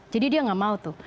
jadi dia tidak mau tuh